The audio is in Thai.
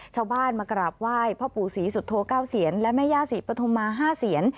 เช้าบ้านมากราบไหว้พ่อปู่ศิสุธโทเก้าเศียร์และแม่ญาศิปโธมมาร์ฮ้าเศียร์